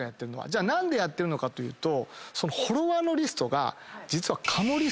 じゃあ何でやってるのかというと。